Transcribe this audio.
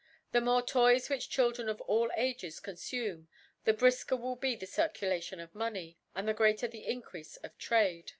The, .more Toys which Children of all Ages con fume, the brifker will be the Circulation of Money, and the greater the Increafe of Trade.